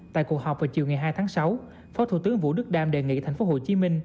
tại cuộc họp vào chiều ngày hai tháng sáu phó thủ tướng vũ đức đam đề nghị tp hcm